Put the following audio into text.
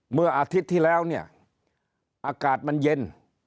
เมื่ออาทิตย์ที่แล้วเนี่ยอากาศมันเย็น